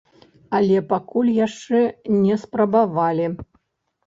Але пакуль яшчэ не спрабавалі.